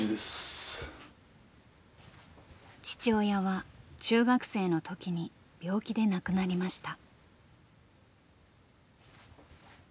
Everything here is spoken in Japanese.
父親は中学生の時に病気で亡くなりました。